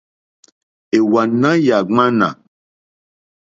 Èwànâ yà ŋwánà.